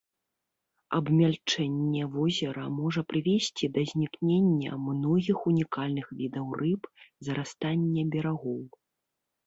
Абмяльчэнне возера можа прывесці да знікнення многіх унікальных відаў рыб, зарастання берагоў.